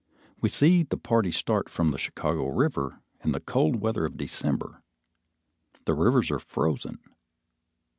We see the party start from the Chicago River, in the cold weather of December. The rivers are frozen.